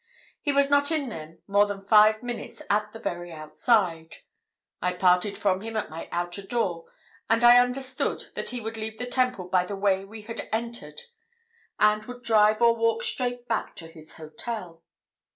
He was not in them more than five minutes at the very outside: I parted from him at my outer door, and I understood that he would leave the Temple by the way we had entered and would drive or walk straight back to his hotel.